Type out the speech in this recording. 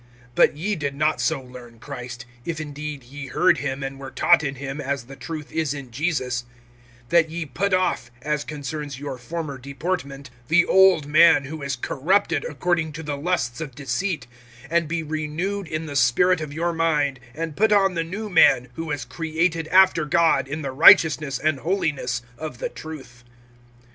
(20)But ye did not so learn Christ, (21)if indeed ye heard him, and were taught in him, as the truth is in Jesus; (22)that ye put off, as concerns your former deportment, the old man who is corrupted according to the lusts of deceit, (23)and be renewed in the spirit of your mind, (24)and put on the new man, who was created after God in the righteousness and holiness of the truth.